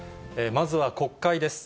まずは国会です。